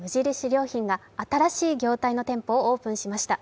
良品が新しい業態の店舗をオープンしました。